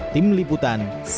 tim liputan pertama